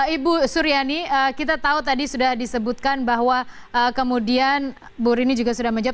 ibu suryani kita tahu tadi sudah disebutkan bahwa kemudian bu rini juga sudah menjawab